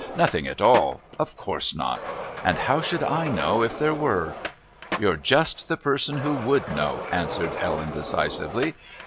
"Nothing at all. Of course not. And how should I know if there were?" "You're just the person who would know," answered Ellen decisively.